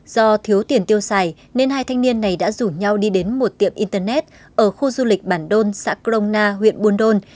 do thiếu tiền tiêu xài nên hai thanh niên này đã rủ nhau đi đến một tiệm internet ở khu du lịch bản đôn xã crona huyện buôn đôn